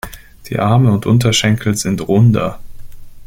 Die Arme und Unterschenkel sind runder.